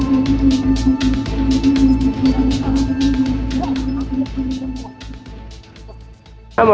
สวัสดีครับ